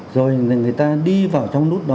rồi người ta đi vào trong nút đó